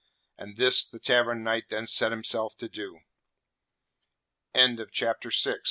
And this the Tavern Knight then set himself to do. CHAPTER VII.